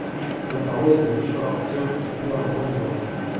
La parole est à Monsieur le rapporteur, pour soutenir l’amendement numéro sept.